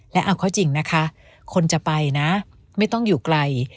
และเอาเข้าจริงนะคะคนจะไปนะไม่ต้องอยู่ไกล